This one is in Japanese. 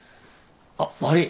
あっ悪い。